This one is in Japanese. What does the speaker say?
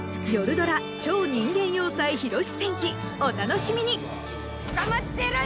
ドラ「超人間要塞ヒロシ戦記」お楽しみに！